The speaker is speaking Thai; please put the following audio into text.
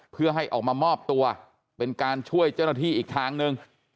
เพื่อให้ออกมามอบตัวเป็นการช่วยเจ้าหน้าที่อีกทางหนึ่ง